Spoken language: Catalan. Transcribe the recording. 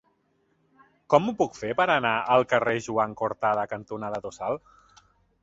Com ho puc fer per anar al carrer Joan Cortada cantonada Tossal?